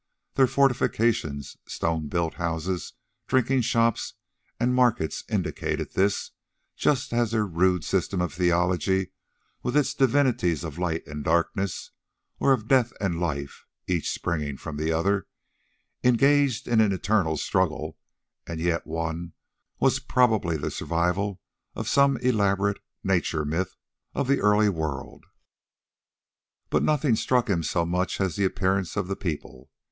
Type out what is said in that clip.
Their fortifications, stone built houses, drinking shops, and markets indicated this, just as their rude system of theology, with its divinities of Light and Darkness, or of Death and Life, each springing from the other, engaged in an eternal struggle, and yet one, was probably the survival of some elaborate nature myth of the early world. But nothing struck him so much as the appearance of the people.